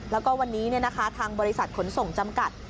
แล้วก็วันนี้ทางบริษัทขนส่งจำกัด